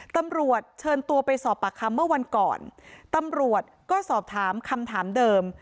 ตำรวจเชิญตัวไปสอบปากคำเมื่อวันก่อนตำรวจก็สอบถามคำถามเดิม